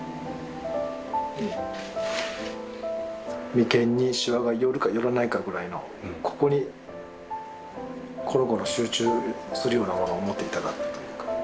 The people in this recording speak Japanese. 眉間にしわがよるかよらないかぐらいのここにこの子の集中するようなものを持っていたかった。